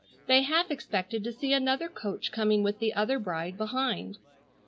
They half expected to see another coach coming with the other bride behind.